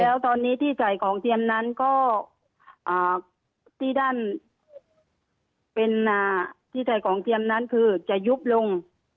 แล้วตอนนี้ที่ใส่ของเทียมนั้นก็ที่ด้านเป็นที่ใส่ของเทียมนั้นคือจะยุบลง